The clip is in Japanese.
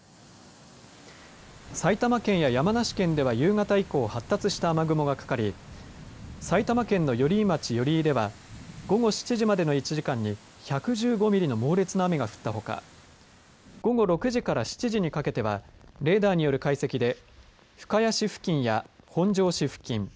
埼玉県や山梨県では夕方以降発達した雨雲がかかり埼玉県の寄居町寄居では午後７時までの１時間に１１５ミリの猛烈な雨が降ったほか午後６時から７時にかけてはレーダーによる解析で深谷市付近や本庄市付近